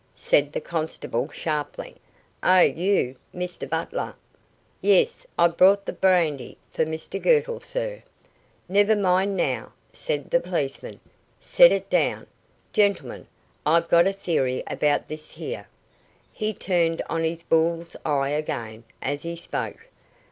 said the constable, sharply. "Oh, you, Mr Butler." "Yes; I've brought the brandy for Mr Girtle, sir." "Never mind, now," said the policeman. "Set it down. Gentlemen, I've got a theory about this here." He turned on his bull's eye again, as he spoke.